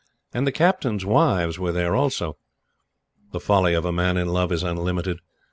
And the Captains' wives were there also. The folly of a man in love is unlimited.